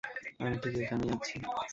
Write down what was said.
আমি ঠিক এখানেই আছি।